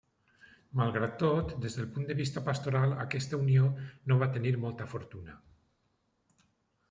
Malgrat tot, des del punt de vista pastoral aquesta unió no va tenir molta fortuna.